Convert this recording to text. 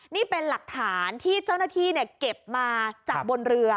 นี่เป็นหลักฐานที่เจ้าหน้าที่เก็บมาจากบนเรือ